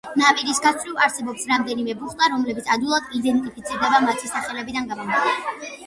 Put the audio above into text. ნაპირის გასწვრივ არსებობს რამდენიმე ბუხტა, რომლებიც ადვილად იდენტიფიცირდება მათი სახელებიდან გამომდინარე.